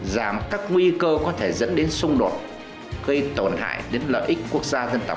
giảm các nguy cơ có thể dẫn đến xung đột gây tổn hại đến lợi ích quốc gia dân tộc